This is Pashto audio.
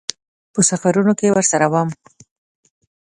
په سفرونو کې ورسره وم.